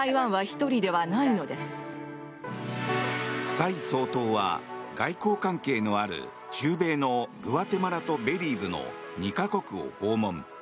蔡総統は外交関係のある中米のグアテマラとベリーズの２か国を訪問。